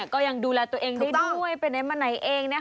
ก็ยังดูแลตัวเองได้ด้วยไปไหนมาไหนเองนะคะ